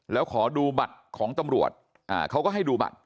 แล้วขอดูบัตรของตำรวจเขาก็ให้ดูบัตร